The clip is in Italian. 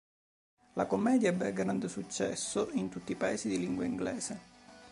La commedia ebbe grande successo in tutti i paesi di lingua inglese.